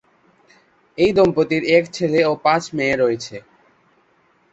এই দম্পতির এক ছেলে ও পাঁচ মেয়ে রয়েছে।